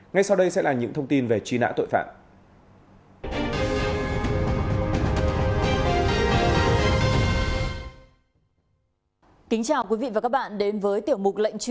ngay sau đây sẽ là những thông tin về truy nã tội phạm